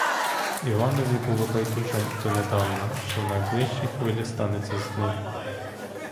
Іванові було байдуже донедавна, що в найближчій хвилі станеться з ним.